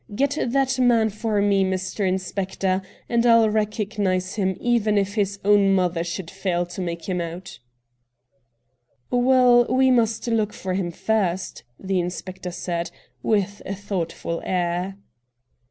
Get that man for me, Mr. Inspector, and I'll recognise him even if his own mother should fail to make him out.' MR. RATT GUNDY 129 ' Well — we must look for hira first,' the inspector said, with a thoughtful air.